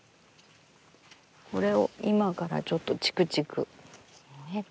これを今からちょっとちくちく。